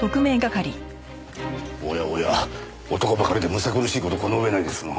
おやおや男ばかりでむさ苦しい事この上ないですな。